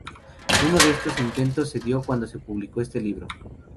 Uno de estos intentos se dio cuando se publicó este libro.